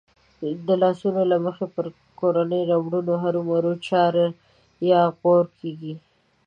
د لاسوندو له مخې به پر کورنيو ربړو هرومرو چار يا غور کېږي.